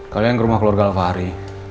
kalian ke rumah keluarga alva hari